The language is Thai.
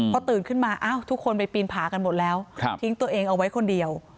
พอตื่นขึ้นมาทุกคนไปปีนผากันหมดแล้วทิ้งตัวเองเอาไว้คนเดียว